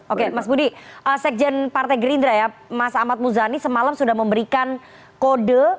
oke mas budi sekjen partai gerindra ya mas ahmad muzani semalam sudah memberikan kode